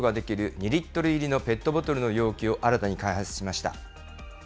２リットル入りのペットボトルの容器を新たに開発しました。